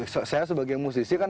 saya sebagai musisi